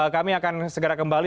kami akan segera kembali